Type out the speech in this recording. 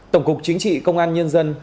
tổng cục chính trị công an nhân dân